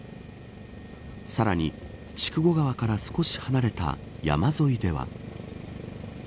さらに筑後川から少し離れた山沿いでは。